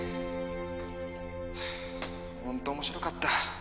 ホント面白かった。